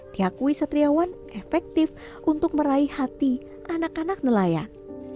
diakui satriawan efektif untuk meraih hati anak anak nelayan